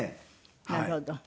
なるほど。